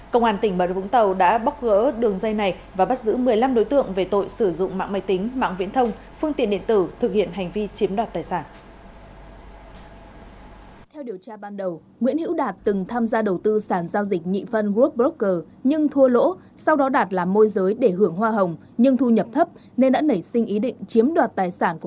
công an tp hcm đã bóc gỡ đường dây này và bắt giữ một mươi năm đối tượng về tội sử dụng mạng máy tính mạng viễn thông phương tiện điện tử thực hiện hành vi chiếm đoạt tài sản